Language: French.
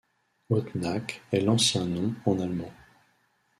Ottenach est l'ancien nom en allemand.